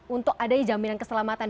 untuk adanya jaminan keselamatan